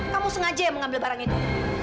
kamu sengaja ya mengambil barang itu